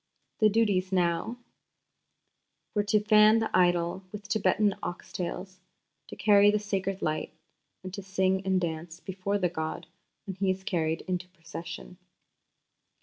... The duties then, as now, were to fan the idol with Tibetan ox tails, to carry the sacred light, and to sing and dance before the god when he is carried in procession.